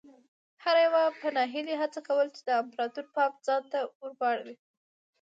هر یوه په ناهیلۍ هڅه کوله چې د امپراتور پام ځان ته ور واړوي.